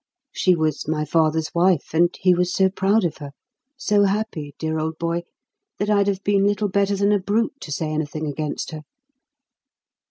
She was my father's wife, and he was so proud of her, so happy, dear old boy, that I'd have been little better than a brute to say anything against her."